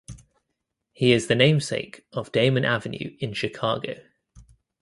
He is the namesake of Damen Avenue in Chicago.